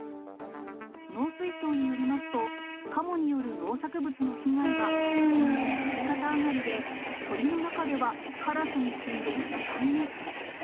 農水省によりますと、カモによる農作物の被害は年々右肩上がりで、鳥の中では、カラスに次いで２番目。